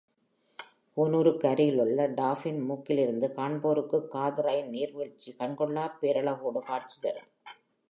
கூனூருக்கு அருகிலுள்ள டாஃபின் மூக்கி லிருந்து காண்போர்க்குக் காதரைன் நீர்வீழ்ச்சி கண்கொள்ளாப் பேரழகோடு காட்சி தரும்.